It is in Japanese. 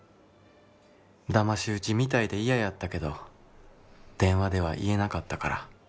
騙し討ちみたいで嫌やったけど電話では言えなかったから。